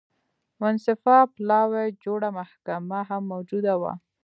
منصفه پلاوي جوړه محکمه هم موجوده وه.